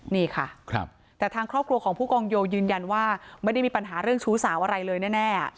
นี่ค่ะแต่ทางครอบครัวของผู้กองโยยืนยันว่าไม่ได้มีปัญหาเรื่องชู้สาวอะไรเลยแน่